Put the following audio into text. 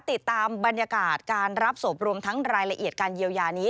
ติดตามบรรยากาศการรับศพรวมทั้งรายละเอียดการเยียวยานี้